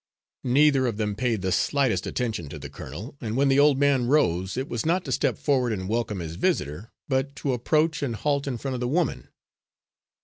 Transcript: Neither of them paid the slightest attention to the colonel, and when the old man rose, it was not to step forward and welcome his visitor, but to approach and halt in front of the woman.